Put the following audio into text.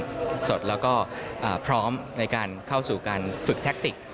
ความต่อเนื่องสดแล้วก็พร้อมในการเข้าสู่การฝึกแทคติก